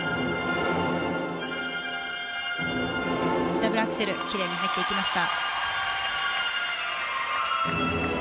ダブルアクセル奇麗に入っていきました。